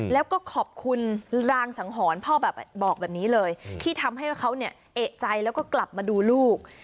แล้วก็ขอบคุณรางสังหรณ์พ่อแบบบอกแบบนี้เลยที่ทำให้เขาเอกใจแล้วก็กลับมาดูลูก